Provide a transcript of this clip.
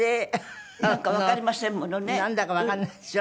なんだかわからないでしょ？